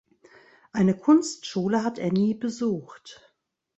Eine Kunstschule hat er nie besucht.